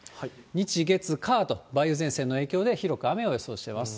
日、月、火と梅雨前線の影響で広く雨を予想しています。